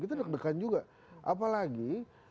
kita deg degan juga apalagi